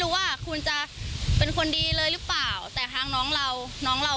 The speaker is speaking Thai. ว่าคุณจะเป็นคนดีเลยหรือเปล่าแต่ทางน้องเราน้องเรา